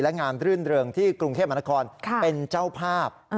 และงานรื่นเริงที่กรุงเทพมหานครเป็นเจ้าภาพ